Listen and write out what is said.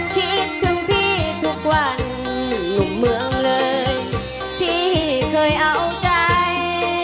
คิดถึงพี่ทุกวันหนุ่มเมืองเลยพี่เคยเอาใจ